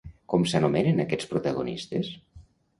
Com s'anomenen aquests protagonistes?